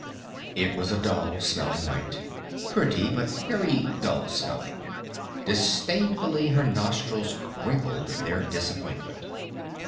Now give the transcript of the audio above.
It was a dull smelling night. Pretty, but very dull smelling. Disdainfully her nostrils crinkled their disappointment.